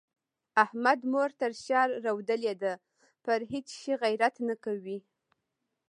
احمد مور تر شا رودلې ده؛ پر هيڅ شي غيرت نه کوي.